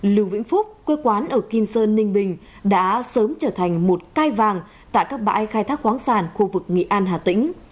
lưu vĩnh phúc quê quán ở kim sơn ninh bình đã sớm trở thành một cai vàng tại các bãi khai thác khoáng sản khu vực nghị an hà tĩnh